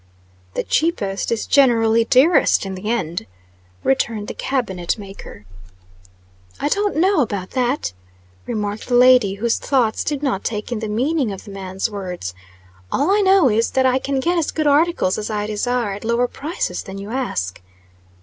"The cheapest is generally dearest in the end," returned the cabinet maker. "I don't know about that," remarked the lady, whose thoughts did not take in the meaning of the man's words. "All I know is, that I can get as good articles as I desire at lower prices than you ask."